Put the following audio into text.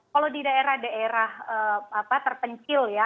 kalau di daerah daerah terpencil ya